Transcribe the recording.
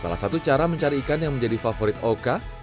salah satu cara mencari ikan yang menjadi favorit oka